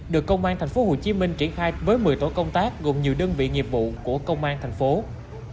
được công an tp hcm triển khai với một mươi tổ công tác gồm nhiều đơn vị nghiệp vụ của công an thành phố